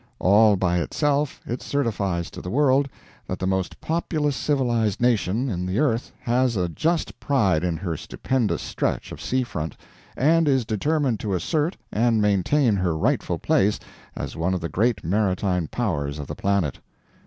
All by itself it certifies to the world that the most populous civilized nation, in the earth has a just pride in her stupendous stretch of sea front, and is determined to assert and maintain her rightful place as one of the Great Maritime Powers of the Planet.